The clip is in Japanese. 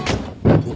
えっ？